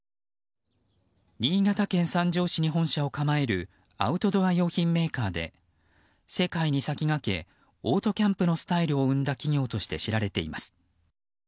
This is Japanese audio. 新潟県三条市に本社を構えるアウトドア用品メーカーで世界に先駆けオートキャンプのスタイルを生んだ企業として知られています。